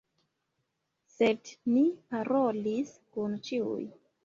Sed ni parolis kun ĉiuj.